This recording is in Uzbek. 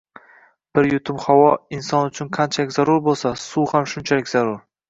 Bir yutum havo inson uchun qanchalik zarur bo‘lsa, suv ham shunchalik zarur